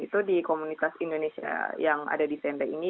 itu di komunitas indonesia yang ada di tenda ini